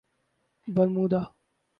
Bermuda